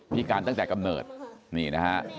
พิการตั้งแต่กำเนิดนี่นะฮะ